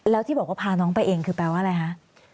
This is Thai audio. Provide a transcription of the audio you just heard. แล้วที่บอกว่าพาน้องไปเองคือแปลว่าอะไรคะ